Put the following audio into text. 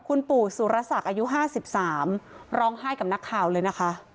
คุณปู่สุรศักดิ์อายุ๕๓ร้องไห้กับนักข่าวเลยนะคะ